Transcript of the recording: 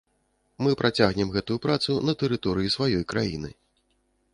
Мы працягнем гэтую працу на тэрыторыі сваёй краіны.